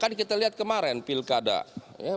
ya kan kita lihat kemarin pilkada